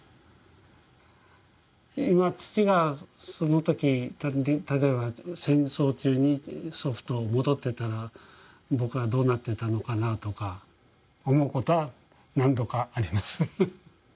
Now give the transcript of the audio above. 今父がその時例えば戦争中に祖父と戻ってたら僕はどうなってたのかなぁとか思うことは何度かあります。